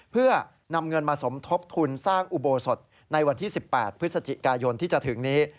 เพื่อนำเงินมาสมทบทุนสร้างอุโบสถในวันที่๑๘พฤศจิกายนที่จะถึงนี้